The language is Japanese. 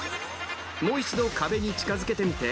もう一度壁に近づけてみて。